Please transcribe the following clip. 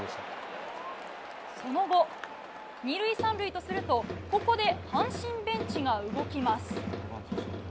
その後、２塁３塁とするとここで阪神ベンチが動きます。